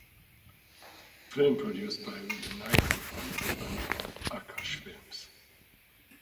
Film produced by Vinayan under the banner of Aakash Films.